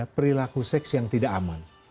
perilaku seks yang tidak aman